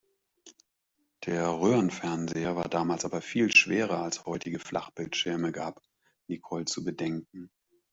Der Röhrenfernseher war damals aber viel schwerer als heutige Flachbildschirme, gab Nicole zu bedenken.